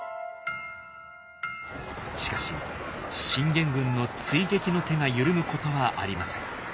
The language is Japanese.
しかし信玄軍の追撃の手が緩むことはありません。